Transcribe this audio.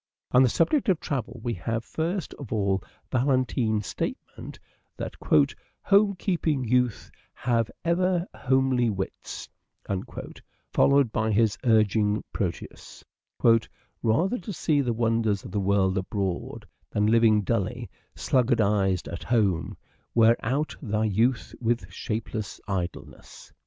On the subject of travel we have first of all Valentine's statement that " Home keeping youth have ever homely wits," followed by his urging Proteus, "rather To see the wonders of the world abroad, Than, living dully sluggardised at home, Wear out thy youth with shapeless idleness."